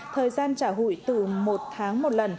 thời gian trả hụi từ một tháng